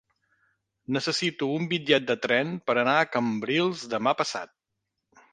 Necessito un bitllet de tren per anar a Cambrils demà passat.